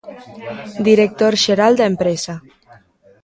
Director xeral da empresa.